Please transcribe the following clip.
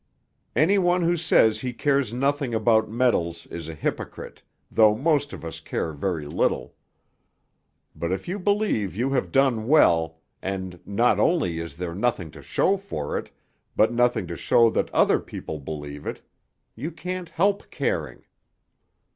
Any one who says he cares nothing about medals is a hypocrite, though most of us care very little. But if you believe you have done well, and not only is there nothing to show for it, but nothing to show that other people believe it ... you can't help caring.